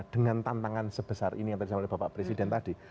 dengan tantangan sebesar ini yang terjadi oleh bapak presiden tadi